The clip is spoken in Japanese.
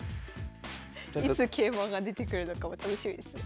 いつ桂馬が出てくるのかも楽しみですね。